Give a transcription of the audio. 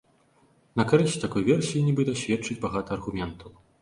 На карысць такой версіі нібыта сведчыць багата аргументаў.